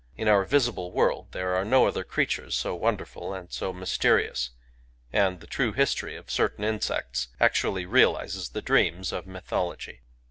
In our visible world there are no other creatures so wonderful and so mysterious ; and the true history of certain insects actually realizes the dreams of mythology.